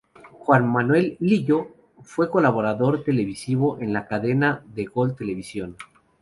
Juan Manuel Lillo fue colaborador televisivo en la cadena de Gol Televisión.